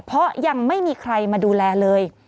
เพราะยังไม่มีใครมาดูแลเลย